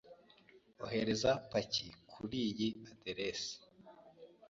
Ohereza paki kuriyi aderesi.